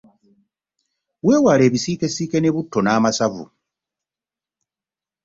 Weewale ebisiikesiike ne butto n'amasavu.